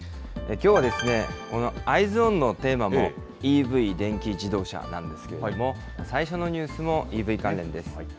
きょうはＥｙｅｓｏｎのテーマも、ＥＶ・電気自動車なんですけれども、最初のニュースもＥＶ関連です。